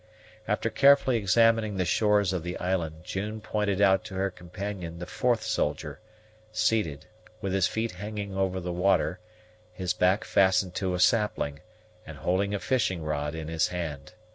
After carefully examining the shores of the island, June pointed out to her companion the fourth soldier, seated, with his feet hanging over the water, his back fastened to a sapling, and holding a fishing rod in his hand.